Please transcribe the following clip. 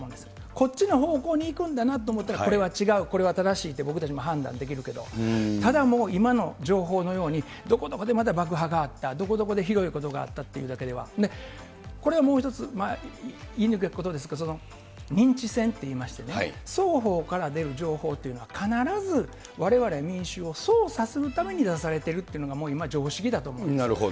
こっちの方向に行くんだなと思ったら、これは違う、これは正しいって、僕たちも判断できるけど、ただもう、今の情報のように、どこどこでまた爆破があった、どこどこでひどいことがあったというだけでは、これはもう一つ、言いにくいことですけど、認知戦っていいましてね、双方から出る情報っていうのは、必ずわれわれ民衆を操作するために出されているというのが、もう今、常識だと思うんです。